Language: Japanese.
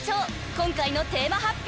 今回のテーマ発表